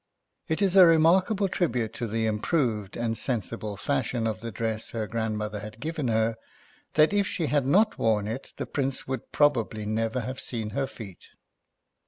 It is a remarkable tribute to the improved and sensible foshion of the dress her grandmother had given her, that if she had not worn it the Prince would probably never have seen her feet.